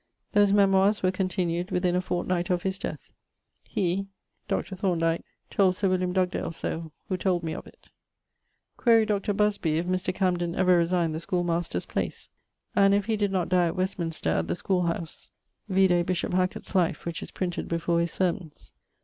Those memoires were continued within a fortnight of his death. [XXXVII.] He (Dr. Th.) told Sir Wiliam Dugdale so, who told me of it. Quaere Dr. Buzby if Mr. Camden ever resigned the schoolmaster's place? And if he did not dye at Westminster at the schoole house vide bishop Hackett's life, which is printed before his sermons.